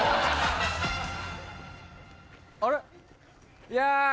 あれ？